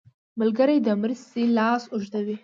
ملګری د مرستې لاس اوږدوي